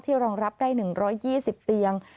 รองรับได้๑๒๐เตียง